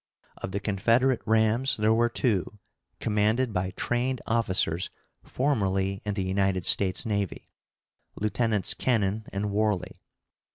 Of the Confederate rams there were two, commanded by trained officers formerly in the United States navy, Lieutenants Kennon and Warley.